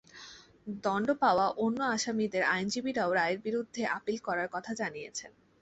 দণ্ড পাওয়া অন্য আসামিদের আইনজীবীরাও রায়ের বিরুদ্ধে আপিল করার কথা জানিয়েছেন।